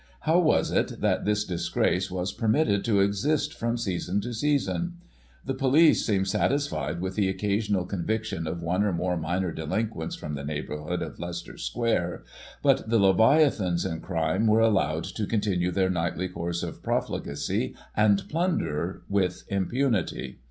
How was it that this disgrace was permitted to exist from season to season ? The police seemed satisfied with the occasional conviction of one or more minor delinquents from the neighbourhood of Leices Digitized by Google 222 GOSSIP. [1843 ter Square, but the Leviathans in crime were allowed to con tinue their nightly course of profligacy and plunder with im punity.